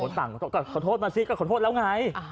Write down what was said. เออต่างคนต่างขอโทษมาสิก็ขอโทษแล้วไง